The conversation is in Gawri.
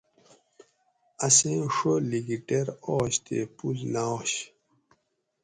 اسیں ڛو لکی ٹیر آش تے پوڷ نہ آش